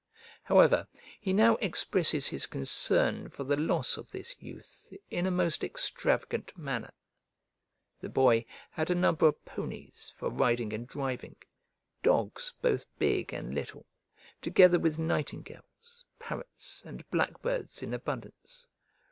However, he now expresses his concern for the loss of this youth in a most extravagant manner. The boy had a number of ponies for riding and driving, dogs both big and little, together with nightingales, parrots, and blackbirds in abundance.